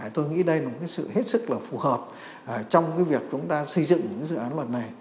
tôi nghĩ đây là một cái sự hết sức là phù hợp trong cái việc chúng ta xây dựng những cái dự án luật này